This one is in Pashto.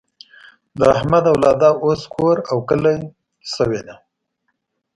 د احمد اولاده اوس کور او کلی شوې ده.